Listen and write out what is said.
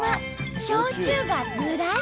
焼酎がずらり！